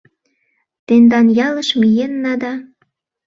Тендан ялыш миенна да